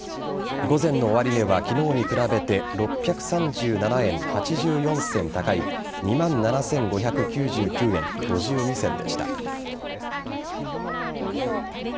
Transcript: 午前の終値は昨日に比べて６３７円８４銭高い２万７５９９円５２銭でした。